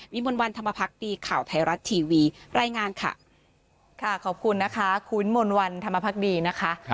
มนต์วันธรรมพักดีข่าวไทยรัฐทีวีรายงานค่ะค่ะขอบคุณนะคะคุณมนต์วันธรรมพักดีนะคะ